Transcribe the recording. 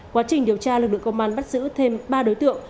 quá trình điều tra lực lượng công an bắt giữ thêm ba đối tượng